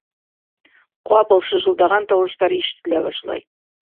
Ҡапыл шыжылдаған тауыштар ишетелә башлай.